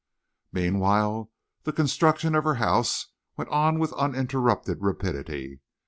Meanwhile the construction of her house went on with uninterrupted rapidity.